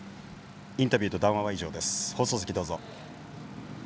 インタビューと談話以上です。